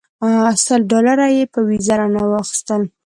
سل ډالره یې په ویزه رانه واخیستل.